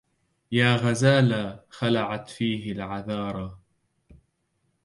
يا غزالا خلعت فيه العذارا